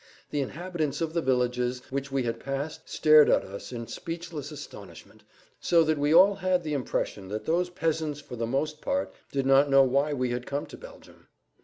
The inhabitants of the villages which we had passed stared at us in speechless astonishment, so that we all had the impression that those peasants for the most part did not know why we had come to Belgium.